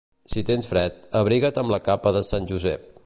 Si tens fred, abriga't amb la capa de sant Josep.